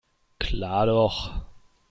Klar doch.